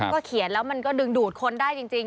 ก็เขียนแล้วมันก็ดึงดูดคนได้จริง